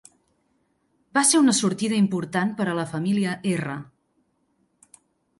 Va ser una sortida important per a la família R.